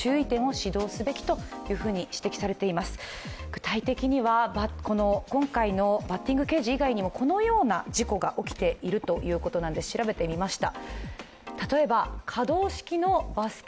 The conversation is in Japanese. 具体的には今回のバッティングケージ以外にもこのような事故が起きているということなんです、調べてみました。